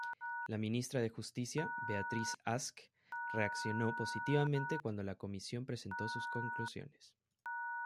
La Ministra de Justicia, Beatrice Ask, reaccionó positivamente cuando la comisión presentó sus conclusiones.